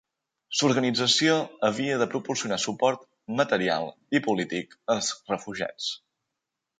L'organització havia de proporcionar suport material i polític als refugiats.